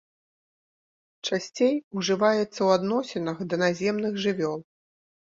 Часцей ужываецца ў адносінах да наземных жывёл.